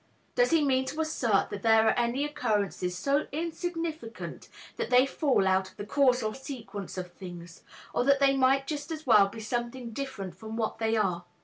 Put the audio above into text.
Does he mean to assert that there are any occurrences so insignificant that they fall out of the causal sequence of things, or that they might just as well be something different from what they are?